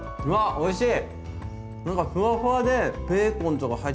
おいしい。